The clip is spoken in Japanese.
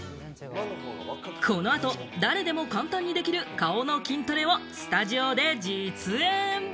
この後、誰でも簡単にできる顔の筋トレをスタジオで実演！